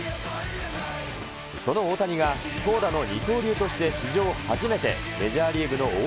その大谷が投打の二刀流として史上初めて、メジャーリーグのオー